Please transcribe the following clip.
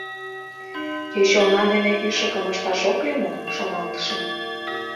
«Кеч оҥа дене ӱшыкым ышташ ок лий мо? — шоналтышым.